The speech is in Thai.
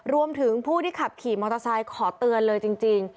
รวมถึงผู้ที่ขับขี่มอเตอร์ไซค์ขอเตือนเลยจริง